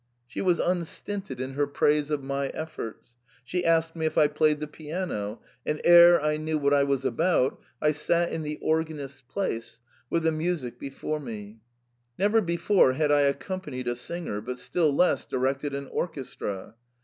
She was unstinted in her praise of my efforts ; she asked me if I played the piano, and ere I knew what I was about, I sat in the organist's place with the music 42 THE PERM AT A. before me. Never before had I accompanied a singer, still less directed an orchestra.